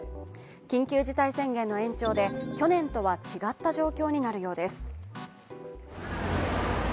緊急事態宣言の延長で去年とは違った状況になるようです。